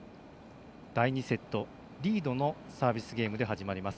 第２セット、リードのサービスゲームから始まります。